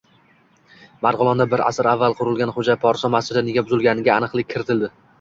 Marg‘ilonda bir asr avval qurilgan Xo‘ja Porso masjidi nega buzilganiga aniqlik kiritildi